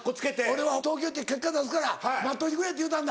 「俺は東京行って結果出すから待っといてくれ」って言うたんだ。